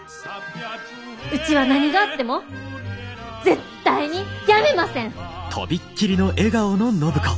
うちは何があっても絶対に辞めません！